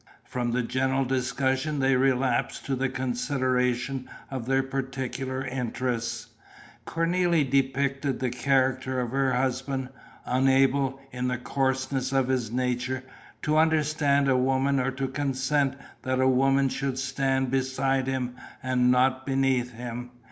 From the general discussion they relapsed to the consideration of their particular interests: Cornélie depicted the character of her husband, unable, in the coarseness of his nature, to understand a woman or to consent that a woman should stand beside him and not beneath him.